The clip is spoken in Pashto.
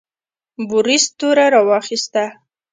بوریس توره راواخیستله.